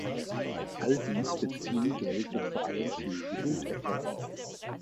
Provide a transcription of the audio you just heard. All dies wird viel Geld und vor allem viel Geduld erfordern.